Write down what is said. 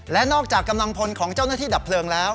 และนอกจากกำลังพลของเจ้าหน้าที่ดับเพลิงแล้ว